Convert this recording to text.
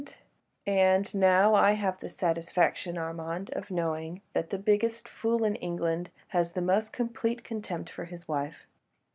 "And now I have the satisfaction, Armand, of knowing that the biggest fool in England has the most complete contempt for his wife."